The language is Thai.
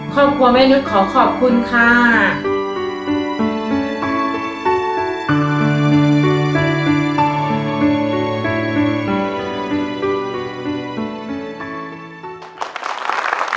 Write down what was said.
ครอบครัวแม่นุษย์ขอขอบคุณค่ะ